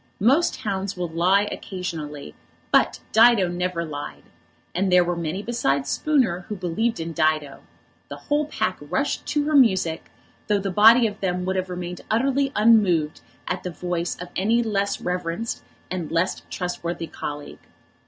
Most hounds will lie occasionally, but Dido never lied. And there were many besides Spooner who believed in Dido. The whole pack rushed to her music, though the body of them would have remained utterly unmoved at the voice of any less reverenced and less trustworthy colleague.